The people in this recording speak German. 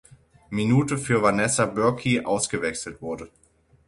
Minute für Vanessa Bürki ausgewechselt wurde.